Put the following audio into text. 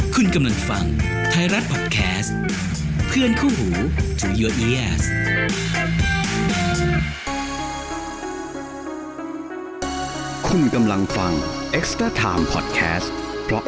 คุณกำลังฟังไทยรัฐพอดแคสต์เพื่อนคู่หูคุณกำลังฟังพอดแคสต์เพราะ